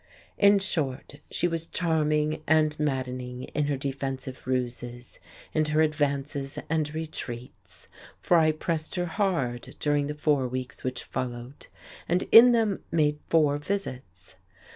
In short, she was charming and maddening in her defensive ruses, in her advances and retreats, for I pressed her hard during the four weeks which followed, and in them made four visits.